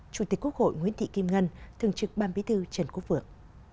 chủ tịch quốc hội nguyễn thị kim ngân thường trực ban bí thư trần quốc vượng